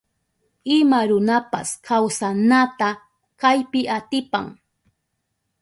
Ima runapas kawsanata kaypi atipan.